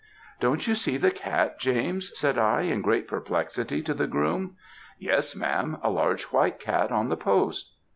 "'Don't you see the cat, James,' said I, in great perplexity to the groom. "'Yes, ma'am; a large white cat on that post.'